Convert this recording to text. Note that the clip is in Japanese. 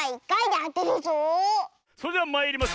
それではまいります！